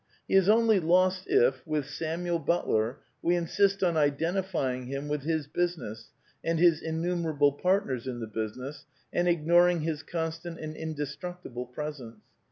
He is only lost if, with Samuel Butler, we insist on identifying him with his business and his innumerable partners in the business, and ignoring his constant and indestructible presence.